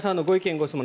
・ご質問